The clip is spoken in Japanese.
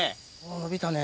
伸びたね。